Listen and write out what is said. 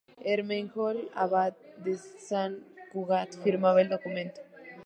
Ermengol, abad de San Cugat firmaba el documento.